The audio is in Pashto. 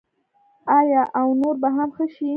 آیا او نور به هم ښه نشي؟